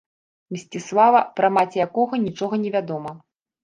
Мсціслава, пра маці якога нічога не вядома.